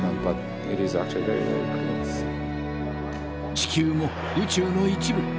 地球も宇宙の一部。